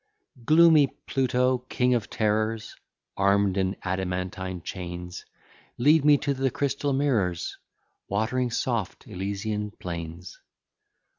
Gloomy Pluto, king of terrors, Arm'd in adamantine chains, Lead me to the crystal mirrors, Watering soft Elysian plains.